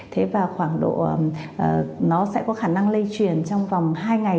thế và khoảng độ nó sẽ có khả năng lây truyền trong vòng hai ngày